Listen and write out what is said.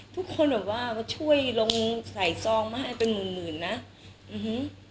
ทุกคนแบบว่าช่วยลงใส่ซองมาให้เป็นหมื่นหมื่นนะอื้อหือ